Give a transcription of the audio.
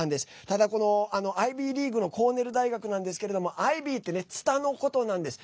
ただ、このアイビーリーグのコーネル大学なんですけれどもアイビーってツタのことなんです。